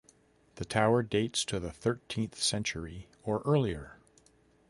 The tower dates to the thirteenth century or earlier.